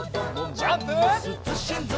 ジャンプ！